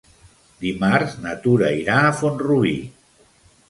Dimarts na Tura irà a Font-rubí.